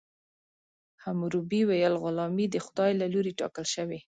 حموربي ویل غلامي د خدای له لورې ټاکل شوې.